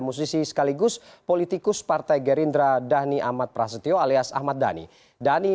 musisi sekaligus politikus partai gerindra dhani ahmad prasetyo alias ahmad dhani dhani